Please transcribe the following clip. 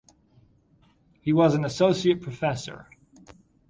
He was an associate professor.